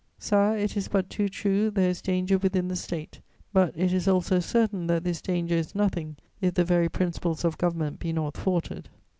"Sire, it is but too true, there is danger within the State, but it is also certain that this danger is nothing if the very principles of government be not thwarted.